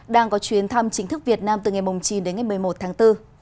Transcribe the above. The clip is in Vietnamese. đang có chuyến thăm chính thức việt nam từ ngày chín đến ngày một mươi một tháng bốn